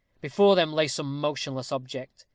Before them lay some motionless object.